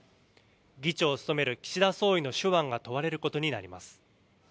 議長を務める岸田総理の手腕が問われることになります。